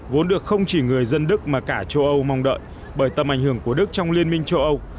vốn được không chỉ người dân đức mà cả châu âu mong đợi bởi tầm ảnh hưởng của đức trong liên minh châu âu